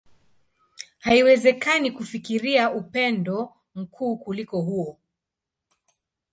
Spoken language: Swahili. Haiwezekani kufikiria upendo mkuu kuliko huo.